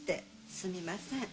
すみません。